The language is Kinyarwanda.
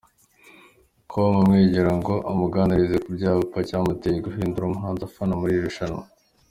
com amwegera ngo amuganirize ku cyaba cyamuteye guhindura umuhanzi afana muri iri rushanwa.